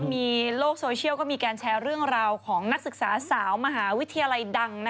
มีโลกโซเชียลก็มีการแชร์เรื่องราวของนักศึกษาสาวมหาวิทยาลัยดัง